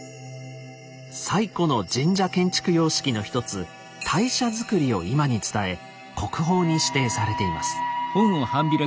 最古の神社建築様式の一つ「大社造」を今に伝え国宝に指定されています。